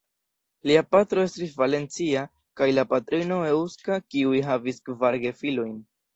Lia patro estis valencia kaj la patrino eŭska, kiuj havis kvar gefilojn.